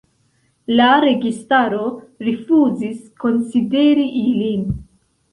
La registaro rifuzis konsideri ilin.